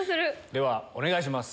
ではお願いします。